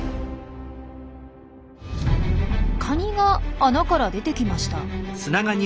カニが穴から出てきました。